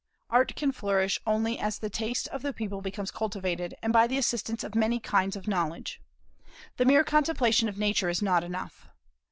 Art can flourish only as the taste of the people becomes cultivated, and by the assistance of many kinds of knowledge. The mere contemplation of Nature is not enough.